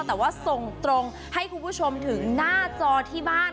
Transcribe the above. แต่ว่าส่งตรงให้คุณผู้ชมถึงหน้าจอที่บ้าน